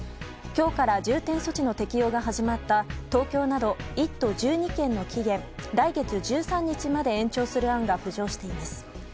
今日から重点措置の適用が始まった東京など１都１２県の期限を来月１３日まで延長する案が浮上しています。